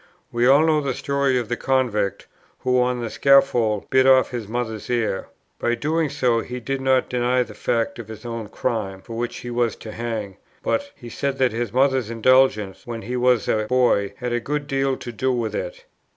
We all know the story of the convict, who on the scaffold bit off his mother's ear. By doing so he did not deny the fact of his own crime, for which he was to hang; but he said that his mother's indulgence when he was a boy, had a good deal to do with it.